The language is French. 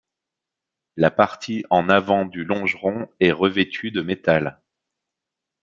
La partie en avant du longeron est revêtue de métal.